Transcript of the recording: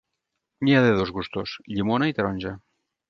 N'hi ha de dos gustos, llimona i taronja.